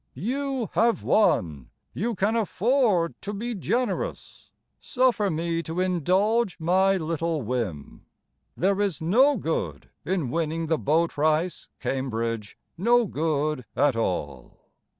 You have won; You can afford to be generous; Suffer me to indulge my little whim: There is no good In winning the bowt rice, Cambridge No good at all.